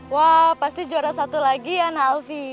wow pasti juara satu lagi ya nak alfi